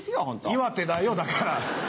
岩手だよだから。